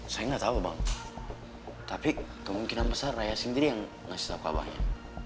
saya gak tau bang tapi kemungkinan besar raya sendiri yang ngasih tau kabarnya